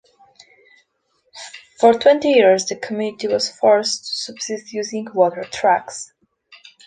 For twenty years the community was forced to subsist using water trucks.